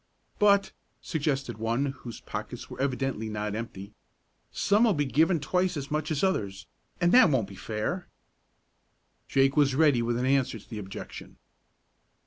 "But," suggested one, whose pockets were evidently not empty, "some'll be givin' twice as much as others, an' that won't be fair." Drake was ready with an answer to the objection.